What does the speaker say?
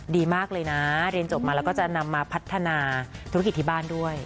ดีมากเลยนะเรียนจบมาแล้วก็จะนำมาพัฒนาธุรกิจที่บ้านด้วย